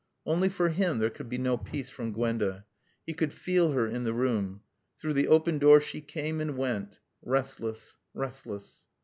Only for him there could be no peace from Gwenda. He could feel her in the room. Through the open door she came and went restless, restless!